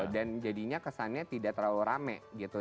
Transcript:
dan jadinya kesannya tidak terlalu rame gitu